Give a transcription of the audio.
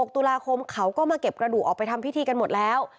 ตุลาคมเขาก็มาเก็บกระดูกออกไปทำพิธีกันหมดแล้ว